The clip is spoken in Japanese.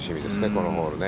このホール。